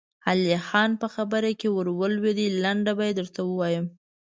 علی خان په خبره کې ور ولوېد: لنډه به يې درته ووايم.